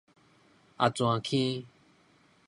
阿泉坑